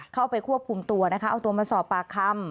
เข้าไปควบคุมตัวนะคะเอาตัวมาสอบปากคำ